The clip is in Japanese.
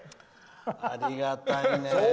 ありがたいね。